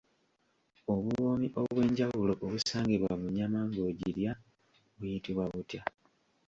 Obuwoomi obw'enjawulo obusangibwa mu nnyama ng'ogirya buyitibwa butya?